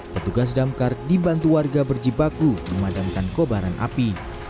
petugas damkar dibantu warga berjibaku memadamkan kobaran api